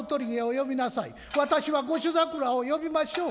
私は御所桜を呼びましょう。